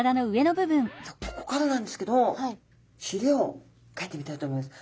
ここからなんですけどひれをかいてみたいと思います。